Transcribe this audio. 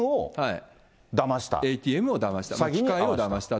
つまり、ＡＴＭをだました？